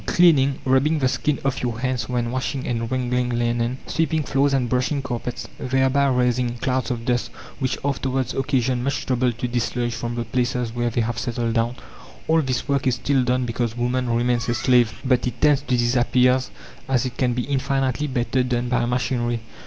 Cleaning, rubbing the skin off your hands when washing and wringing linen; sweeping floors and brushing carpets, thereby raising clouds of dust which afterwards occasion much trouble to dislodge from the places where they have settled down, all this work is still done because woman remains a slave, but it tends to disappear as it can be infinitely better done by machinery.